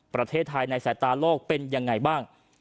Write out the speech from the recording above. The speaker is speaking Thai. ประเทศไทยในสายตาโลกเป็นยังไงบ้าง